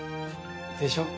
でしょ？